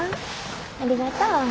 ありがとう。